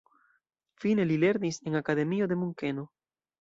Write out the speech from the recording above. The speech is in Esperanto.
Fine li lernis en akademio de Munkeno.